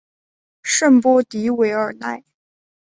圣波迪韦尔奈。